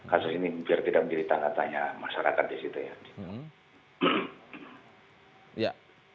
kasus ini biar tidak menjadi tanda tanya masyarakat di situ ya